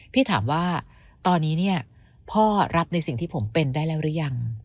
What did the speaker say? พี่ถามว่าตอนนี้เนี่ยพ่อรับในสิ่งที่ผมเป็นได้แล้วหรือยัง